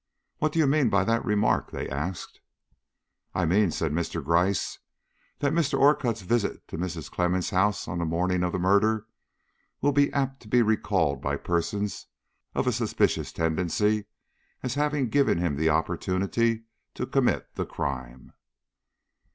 "What do you mean by that remark?" they asked. "I mean," said Mr. Gryce, "that Mr. Orcutt's visit to Mrs. Clemmens' house on the morning of the murder will be apt to be recalled by persons of a suspicious tendency as having given him an opportunity to commit the crime."